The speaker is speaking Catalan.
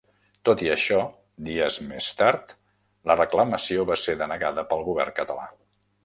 Tot i això, dies més tard, la reclamació va ser denegada pel Govern Català.